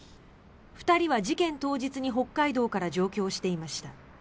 ２人は事件当日に北海道から上京していました。